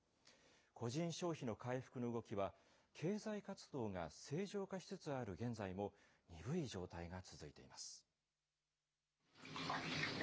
個人消費の回復の動きは、経済活動が正常化しつつある現在も鈍い状態が続いています。